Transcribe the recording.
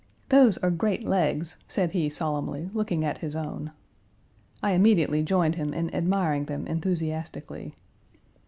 "Those are great legs," said he solemnly, looking at his own. I immediately joined him in admiring them enthusiastically.